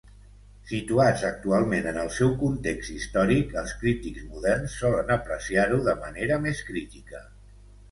Situats actualment en el seu context històric, els crítics moderns solen apreciar-ho de manera més crítica.